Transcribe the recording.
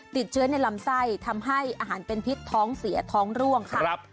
ติดเชื้อในลำไส้ทำให้อาหารเป็นพิษท้องเสียท้องร่วงค่ะ